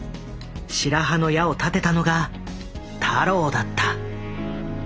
白羽の矢を立てたのが太郎だった。